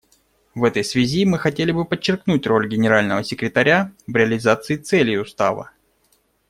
В этой связи мы хотели бы подчеркнуть роль Генерального секретаря в реализации целей Устава.